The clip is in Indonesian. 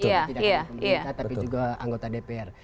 tapi tidak hanya pemerintah tapi juga anggota dpr